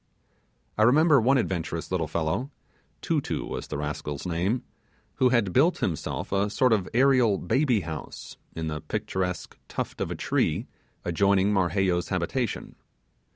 I remember one adventurous little fellow Too Too was the rascal's name who had built himself a sort of aerial baby house in the picturesque tuft of a tree adjoining Marheyo's habitation.